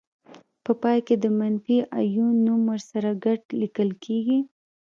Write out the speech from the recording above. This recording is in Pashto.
په پای کې د منفي آیون نوم ورسره ګډ لیکل کیږي.